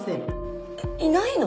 いないの？